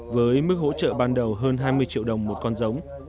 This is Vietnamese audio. với mức hỗ trợ ban đầu hơn hai mươi triệu đồng một con giống